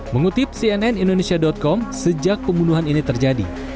mengutip cnn indonesia com sejak pembunuhan ini terjadi